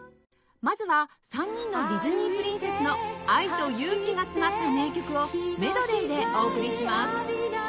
まずは３人のディズニープリンセスの愛と勇気が詰まった名曲をメドレーでお送りします